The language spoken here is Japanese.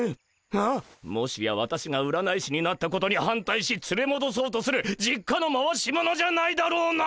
はっもしや私が占い師になったことに反対しつれもどそうとする実家の回し者じゃないだろうな！？